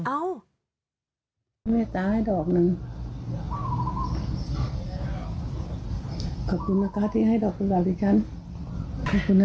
ขอตังคุณผู้ชม